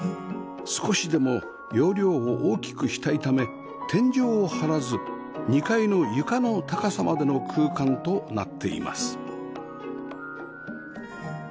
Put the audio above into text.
少しでも容量を大きくしたいため天井を張らず２階の床の高さまでの空間となっています